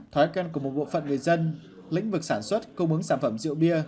thói quen của một bộ phận người dân lĩnh vực sản xuất cung ứng sản phẩm rượu bia